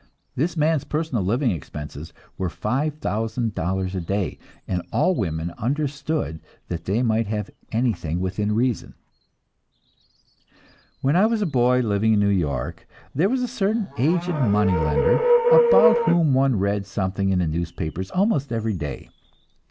This man's personal living expenses were five thousand dollars a day, and all women understood that they might have anything within reason. When I was a boy, living in New York, there was a certain aged money lender about whom one read something in the newspapers almost every day.